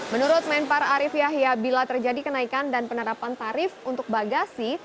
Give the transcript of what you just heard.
menurut menpar arief yahya bila terjadi kenaikan dan penerapan tarif untuk bagasi